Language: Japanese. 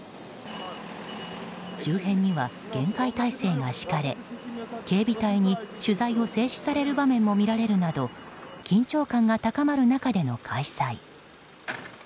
周辺には厳戒態勢が敷かれ警備隊に取材を制止される場面も見られるなど緊張感が高まる中での開催。